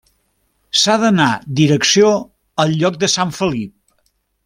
S'ha d'anar direcció al lloc de Sant Felip.